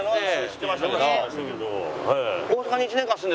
知ってましたけど。